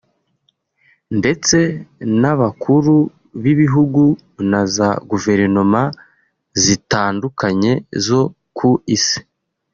ndetse n’abakuru b’ibihugu na za Guverinoma zitandukanye zo ku Isi